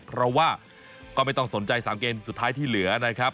เพราะว่าก็ไม่ต้องสนใจ๓เกมสุดท้ายที่เหลือนะครับ